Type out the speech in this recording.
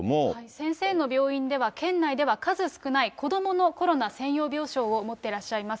先生の病院では、県内では数少ない、子どものコロナ専用病床を持ってらっしゃいます。